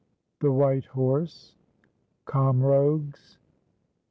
THE WHITE HORSE.—COMROGUES.